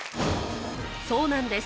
そうなんです